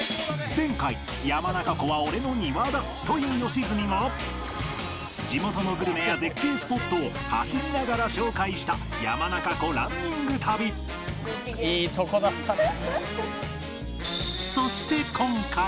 前回「山中湖は俺の庭だ！」という良純が地元のグルメや絶景スポットを走りながら紹介した山中湖ランニング旅いいとこだったなあ。